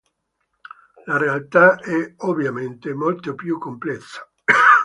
La realtà è ovviamente molto più complessa.